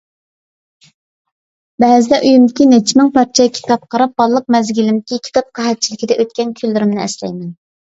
بەزىدە ئۆيۈمدىكى نەچچە مىڭ پارچە كىتابقا قاراپ بالىلىق مەزگىلىمدىكى كىتاب قەھەتچىلىكىدە ئۆتكەن كۈنلىرىمنى ئەسلەيمەن.